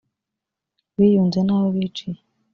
biyunze n abo biciye